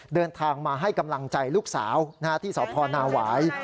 เดินทางมาให้กำลังใจลูกสาวที่สพนาหวาย